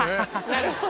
「なるほど」。